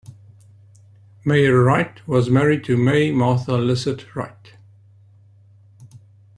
Mayor Wright was married to May Martha Lycett Wright.